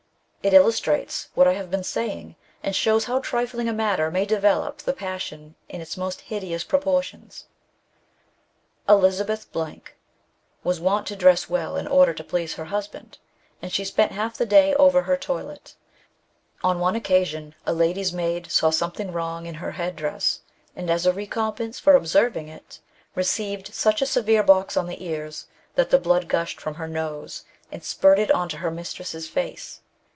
It illustrates what I have been saying, and shows how trifling a matter may develope the passion in its most hidoous proportions. Elizabeth was wont to dress well in order to please her husband, and she spent half the day over her toilet. On one occasion, a lady's maid saw something wrong in her Head dress, and as a recompencefor observing it, received such a severe box on the ears that the blood gushed from her nose, and spirted on to her mistress's face.